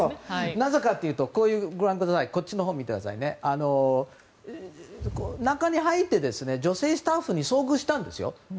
なぜかというと中に入って女性スタッフに遭遇したんですよ。